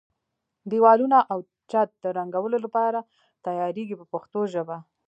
دېوالونه او چت د رنګولو لپاره تیاریږي په پښتو ژبه.